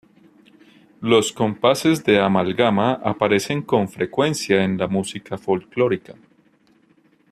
Los compases de amalgama aparecen con frecuencia en la música folclórica.